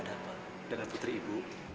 ada apa dengan putri ibu